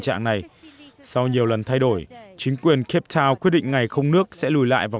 hình nước sau nhiều lần thay đổi chính quyền cape town quyết định ngày không nước sẽ lùi lại vào